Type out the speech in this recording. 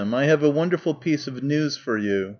I have a wonderful piece of news for you.